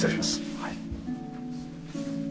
はい。